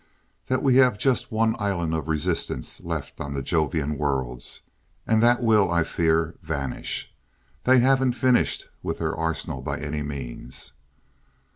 "That we have just one island of resistance left on the Jovian worlds. And that will, I fear, vanish. They haven't finished with their arsenal by any means."